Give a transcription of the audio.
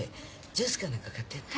ジュースか何か買ってやって。